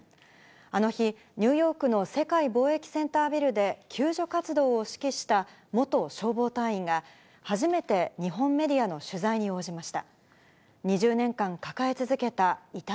あの日、ニューヨークの世界貿易センタービルで救助活動を指揮した元消防隊員が、初めて日本メディアの取材に応じました。